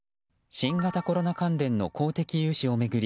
新型コロナ関連の公的融資を巡り